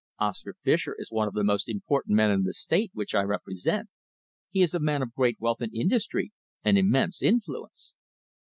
"Oscar Fischer is one of the most important men in the State which I represent. He is a man of great wealth and industry and immense influence."